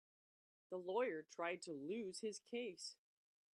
The lawyer tried to lose his case.